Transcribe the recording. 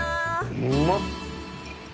うまっ！